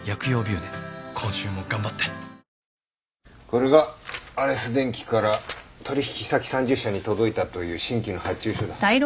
これがアレス電機から取引先３０社に届いたという新規の発注書だ。